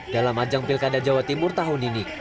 dalam ajang pilkada jawa timur tahun ini